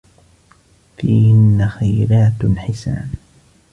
فِيهِنَّ خَيْرَاتٌ حِسَانٌ